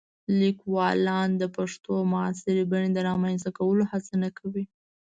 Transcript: لیکوالان د پښتو د معاصرې بڼې د رامنځته کولو هڅه نه کوي.